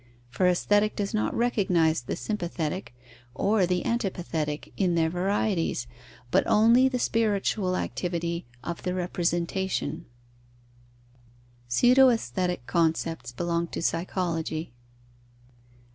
For Aesthetic does not recognize the sympathetic or the antipathetic In their varieties, but only the spiritual activity of the representation. _Pseudo aesthetic concepts belong to Psychology.